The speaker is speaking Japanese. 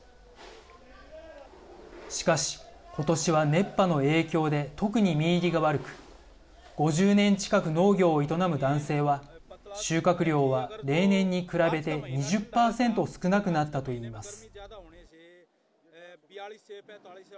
しかし、ことしは熱波の影響で特に、実入りが悪く５０年近く農業を営む男性は収穫量は例年に比べて２０％少なくなったといいます。